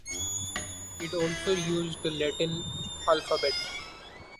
It also used the Latin alphabet.